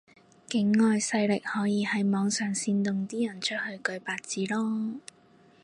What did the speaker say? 境外勢力可以喺網上煽動啲人出去舉白紙囉